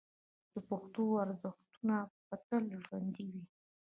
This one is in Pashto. د پښتنو ارزښتونه به تل ژوندي وي.